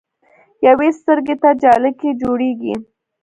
يوې سترګې ته جالکي جوړيږي